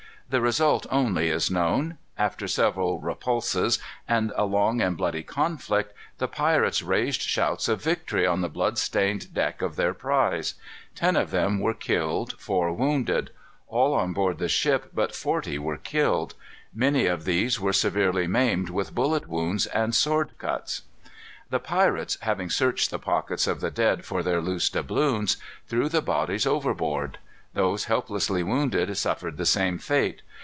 The result only is known. After several repulses, and a long and bloody conflict, the pirates raised shouts of victory on the blood stained deck of their prize. Ten of them were killed; four wounded. All on board the ship but forty were killed. Many of these were severely maimed with bullet wounds and sword cuts. The pirates, having searched the pockets of the dead for their loose doubloons, threw the bodies overboard. Those helplessly wounded suffered the same fate.